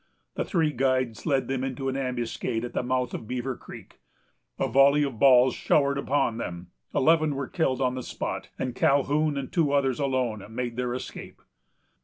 The three guides led them into an ambuscade at the mouth of Beaver Creek. A volley of balls showered upon them; eleven were killed on the spot, and Calhoun and two others alone made their escape.